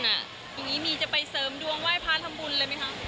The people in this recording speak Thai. อย่างนี้มีจะไปเสริมดวงไหว้พระทำบุญเลยไหมคะ